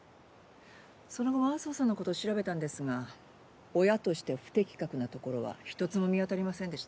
その後も安生さんのことを調べたんですが親として不適格なところはひとつも見当たりませんでした。